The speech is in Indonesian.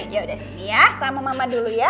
yaudah siti ya sama mama dulu ya